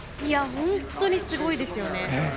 本当にすごいですよね。